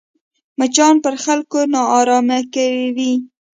مچان پر خلکو ناارامي کوي